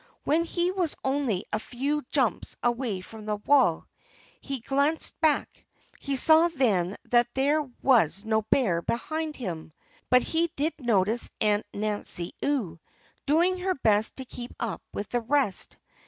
When he was only a few jumps away from the wall he glanced back. He saw then that there was no bear behind him. But he did notice Aunt Nancy Ewe, doing her best to keep up with the rest.